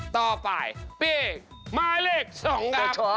ต่อไปเปลี่ยงหมายเลขสองกับจอจอ